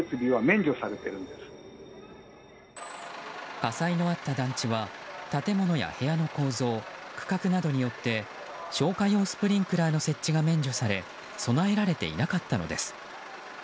火災のあった団地は建物や部屋の構造区画などによって消火用スプリンクラーの設置が免除され備えられていなかったのです。